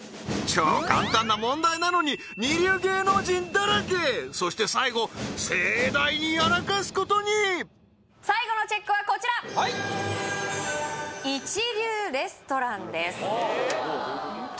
超簡単な問題なのに二流芸能人だらけそして最後盛大にやらかすことに最後のＣＨＥＣＫはこちらはい一流レストランですほう